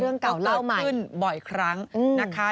เรื่องเก่าเล่าใหม่ก็เกิดขึ้นบ่อยครั้งนะคะ